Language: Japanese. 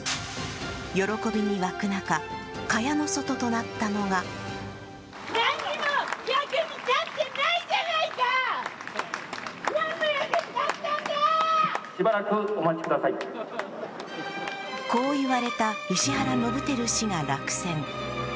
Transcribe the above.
喜びに沸く中、蚊帳の外となったのがこう言われた石原伸晃氏が落選。